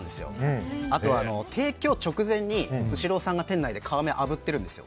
あとは、提供直前にスシローさんが皮目をあぶってるんです。